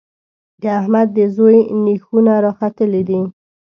د احمد د زوی نېښونه راختلي دي.